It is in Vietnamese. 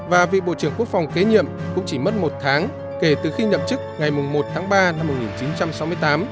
và vị bộ trưởng quốc phòng kế nhiệm cũng chỉ mất một tháng kể từ khi nhậm chức ngày một tháng ba năm một nghìn chín trăm sáu mươi tám